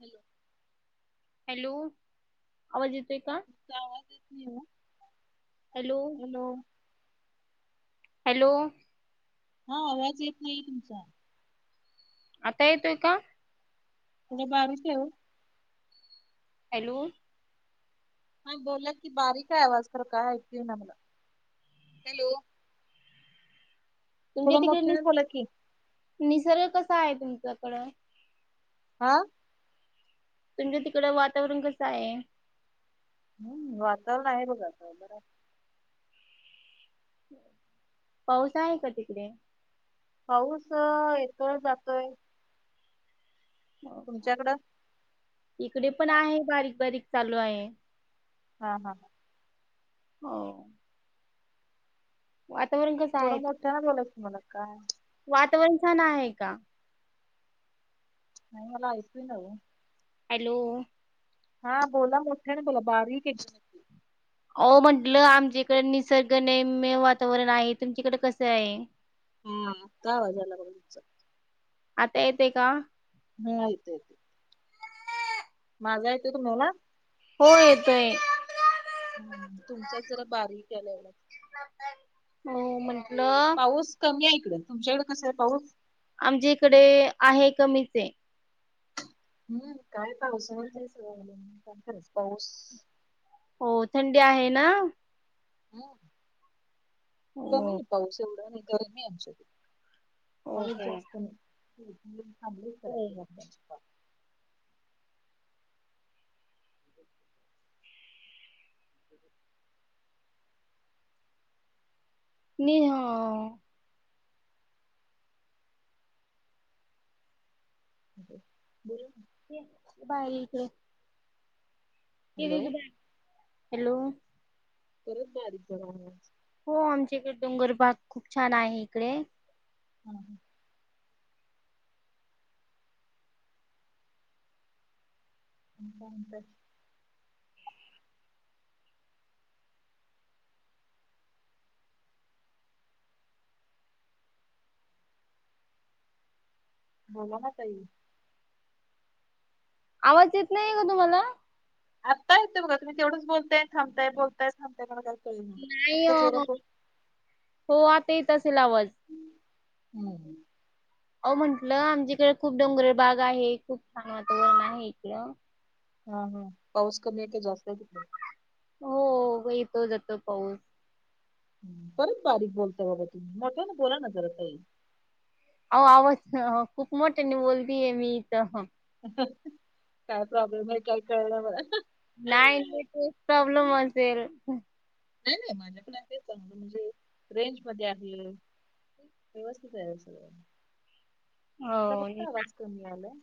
Hello! [inaudible] Hello! आवाज येतोय का? तुमचा आवाज येत नाही ओ हॅलो! हॅलो! हा आवाज येत नाहीे तुमचा. आता येतोय का? म्हणजे बारीक हाय ओ. हॅलो! ह बोला‌ की बारीक आहे आवाज खरं काय ऐकु‌‌ ई ना मला, हॅलो. तुमच्या थोडं तिकडे निस, मोठ्याने बोला की निसर्ग कसा आहे तुमच्याकडं? हा. तुमच्यां तिकड वातावरण कसं आहे? हम्म वातावरण आहे बघाता बर पाऊस आहे का तिकडे? पाऊस येतोय जातोय. हो का तुमच्याकडं? इकडे पण आहे बारीक बारीक चालू आहे. हां हां. हो वातावरण कसं आहे? का बोलायचं मला काय वातावरण छान आहे का? [unintelligible] हॅलो हा बोला मोठेने बोला बारीक येतोय. अ म्हंटलं आमच्याकडे निसर्ग रम्यम वातावरण आहे. तुमच्याकडे कसं आहे? हम्म का आता आवाज यालय तुमचा आता येते का? हम्म येतोय माझा येतोय तुम्हाला? हो येतोय. हम्म तुमचा जरा बारीक आला. हो म्हंटलं पाऊस कमी आहे इकड. तुमच्याकडे कस आहे पाऊस? आमच्या इकडे आहे कमीच आहे. हम्म काय पाऊस स काय खरंच पाऊस. हो थंडी आहे ना? हम्म हो कमी पाऊस एवढा नाही गरम आम सुध. पाणी ओके जास्त नाही थांबले करायच मग हो त्यांची पा. नि हा बोला ना. बारीक ये हॅलो हॅलो परत बारीक बरा. हो आमच्या इकडे डोंगर भाग खूप छान आहे इकडे. हम्म. मग काय म्हणतात बोला ना ताई. आवाज येत नाहीये का तुम्हाला? आत्ता येतय बघ तुम्ही तेवढंच बोलताय थांबताय बोलताय थांबताय काय तोय मग नाही आत्ता जोरात हो. हो आता येत असेल आवाज हम्म. अहो म्हंटलं आमच्याकडे खूप डोंगर बाग आहे खूप छान वातावरण आहे इकड हा हा पाऊस कमी आहे का जास्त आहे त? हो येतो जातो पाऊस. बरीच बारीक बोलतय बाबा तुम्ही मोठ्या ना बोला ना जर काही. अहो आवाज खूप मोठ्या न बोलतीय मी इथं. काय प्रॉब्लेम आहे काय कळण मला. नाही ते तेच प्रॉब्लेम असेल. नाही नाही माझ्या पण चांगलं म्हणजे रेंज मध्ये आहे. व्यवस्थित आहे सगळ हो तुमचा फक्त नी आवाज कमी आलाय.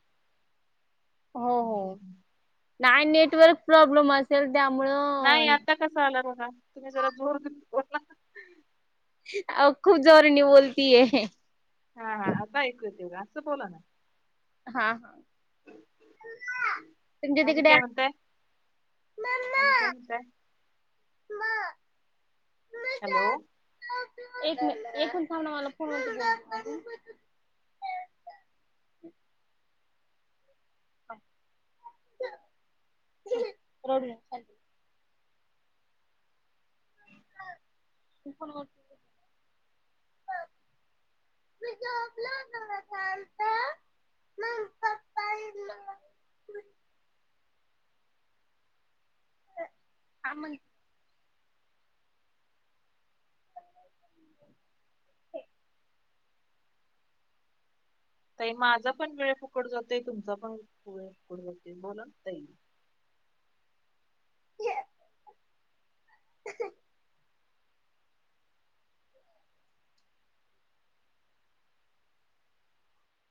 हम्म. हो हम्म. नाही नेटवर्क प्रॉब्लेम असेल त्यामुळं. क आसा आला बघा तुम्ही ज जोरला बोलला ना. अहो खूप जोरणी बोलतीय. हा हा आता ऐकूय तेवा असं बोला ना. हा हा. आणि काय म्हणताय आणि काय [inaudible] म्हणताय [inaudible] हॅलो. एक मी एक मिनिट थांब ना मला फोन उचलून द्या. रड. शांत [unintelligible] मी झोपलो होतो ना शांत. मग पप्पानी मला [inaudible] ते [inaudible] ताई माझा पण वेळ फुकड जातो तुमचा पण वेळ फुकड जातो बोला ताई. ह.